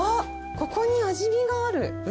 ここに味見がある。